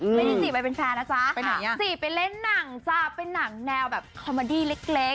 ไม่ได้จีบไปเป็นแฟนนะจ๊ะไปไหนอ่ะจีบไปเล่นหนังจ้าเป็นหนังแนวแบบคอมมาดี้เล็ก